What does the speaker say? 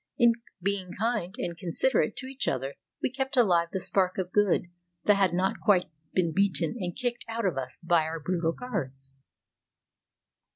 In being kind and considerate to each other we kept alive the spark of good that had not quite been beaten and kicked out of us by our brutal guards.